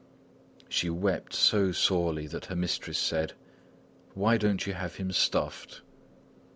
She wept so sorely that her mistress said: "Why don't you have him stuffed?"